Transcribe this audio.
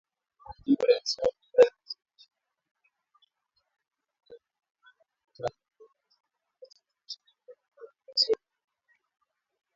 Jimbo Kiislamu inadai kuhusika na shambulizi, yalioua takribani raia kumi na tano katika kijiji kimoja kaskazini-mashariki mwa Jamhuri ya Kidemokrasi ya Kongo siku ya Jumapili.